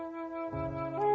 setelah banyak bujukan